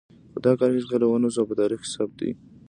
خو دا کار هېڅکله ونه شو او په تاریخ کې ثبت دی.